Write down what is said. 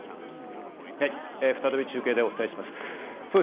はい、再び中継でお伝えします。